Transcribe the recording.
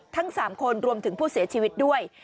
ทั้ง๓คนรวมถึงผู้เสียชีวิตด้วย